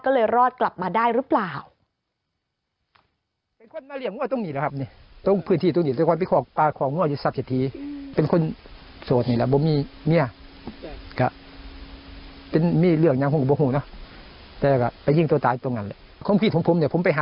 ก็เลยรอดกลับมาได้หรือเปล่า